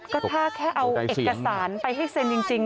ก็ถ้าแค่เอาเอกสารไปให้เซ็นจริง